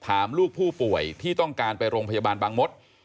ลูกผู้ป่วยที่ต้องการไปโรงพยาบาลบางมศ